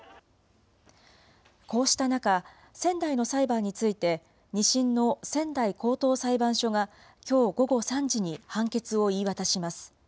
こうした中、仙台の裁判について、２審の仙台高等裁判所がきょう午後３時に判決を言い渡します。